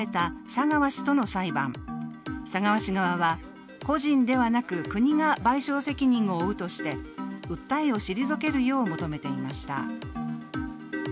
佐川氏側は、個人ではなく国が賠償責任を負うとして訴えを退けるよう求めていました。